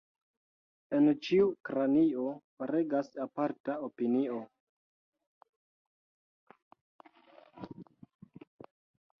En ĉiu kranio regas aparta opinio.